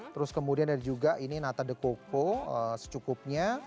terus kemudian ada juga ini nata the coco secukupnya